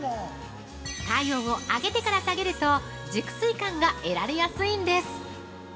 体温を上げてから下げると熟睡感が得られやすいんです。